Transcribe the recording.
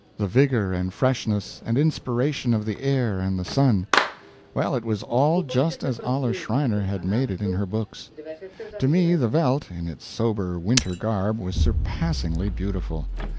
The vigor and freshness and inspiration of the air and the sun well, it was all just as Olive Schreiner had made it in her books. To me the veldt, in its sober winter garb, was surpassingly beautiful.